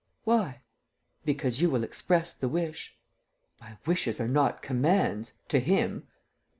"Why?" "Because you will express the wish." "My wishes are not commands ... to him!"